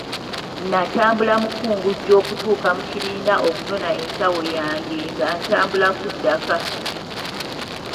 Natambula mukungujjo okutuuka mu kibiina okunona ensawo yange nga ntambula kudda ka.